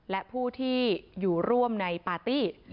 และผู้ที่อยู่ร่วมในปาร์ตี้